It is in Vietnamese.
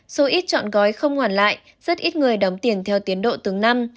số ít chọn gói không hoàn lại rất ít người đóng tiền theo tiến độ từng năm